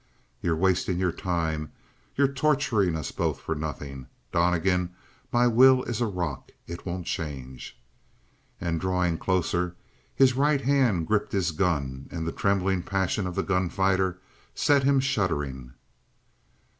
"You're wasting your time. You're torturing us both for nothing. Donnegan, my will is a rock. It won't change." And drawing closer his right hand gripped his gun and the trembling passion of the gunfighter set him shuddering.